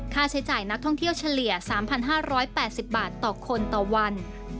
ค่าใช้จ่ายนักท่องเที่ยวเฉลี่ย๓๕๘๐บาทต่อคนต่อวัน